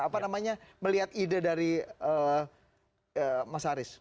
apa namanya melihat ide dari mas haris